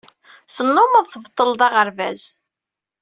Tennummeḍ tbeṭṭleḍ aɣerbaz.